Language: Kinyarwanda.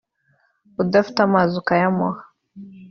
udafite amazi ukayamuha